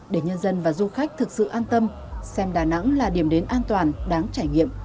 để nhân dân và du khách thực sự an tâm xem đà nẵng là điểm đến an toàn đáng trải nghiệm